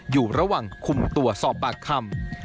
อยู่ระหว่างคุมตัวสอบปากคำ